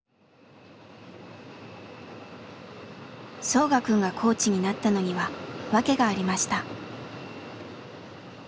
ソウガくんがコーチになったのには訳がありました。